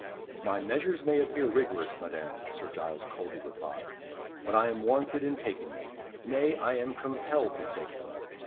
"My measures may appear rigorous, Madame," Sir Giles coldly replied; "but I am warranted in taking them. Nay, I am compelled to take them.